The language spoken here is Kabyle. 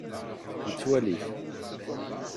Yettwali-t.